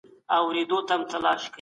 آيا ته خپلو پيرودونکو ته رښتيا وايې؟